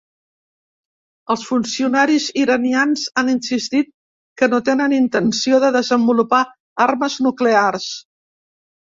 Els funcionaris iranians han insistit que no tenen intenció de desenvolupar armes nuclears.